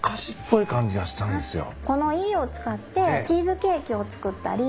このいいを使ってチーズケーキを作ったり。